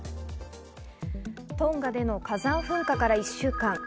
トンガでの火山噴火から１週間。